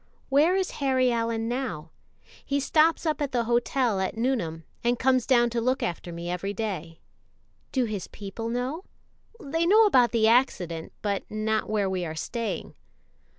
"Where is Harry Allyn now?" "He stops up at the hotel at Nuneham, and comes down to look after me ever day." "Do his people know?" "They know about the accident, but not where we are staying."